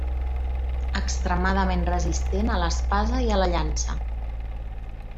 Extremadament resistent a l'espasa i a la llança.